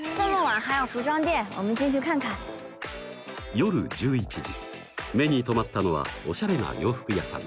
夜１１時目に留まったのはオシャレな洋服屋さん。